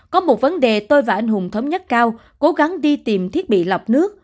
có một vấn đề tôi và anh hùng thống nhất cao cố gắng đi tìm thiết bị lọc nước